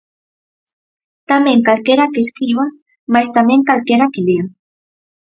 Tamén calquera que escriba, mais tamén calquera que lea.